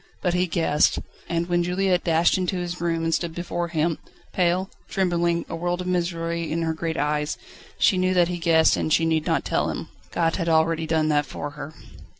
But he guessed. And when Juliette dashed into his room and stood before him, pale, trembling, a world of misery in her great eyes, she knew that he guessed and that she need not tell him. God had already done that for her.